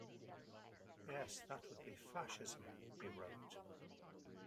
"Yes, that would be fascism," he wrote.